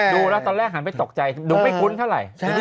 ดูแล้วตอนแรกเราเผ็ดตกใจดูไปกุ้นเท่าไหร่